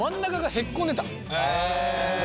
へえ。